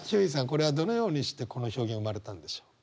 これはどのようにしてこの表現生まれたんでしょう？